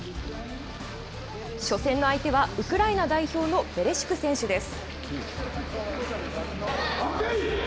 初戦の相手はウクライナ代表のベレシュク選手です。